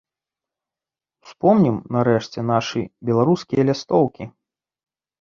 Успомнім, нарэшце, нашы беларускія лістоўкі.